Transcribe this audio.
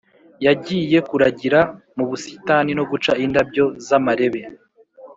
Yagiye kuragira l mu busitani no guca indabyo z amarebe